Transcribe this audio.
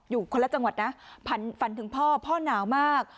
อยู่คนละจังหวัดนะฝันถึงพ่อพ่อหนาวมาก